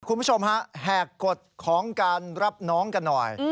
คุณผู้ชมฮะแหกกฎของการรับน้องกันหน่อย